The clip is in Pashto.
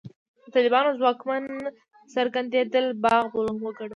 د طالبانو ځواکمن څرګندېدل باید بلوغ وګڼو.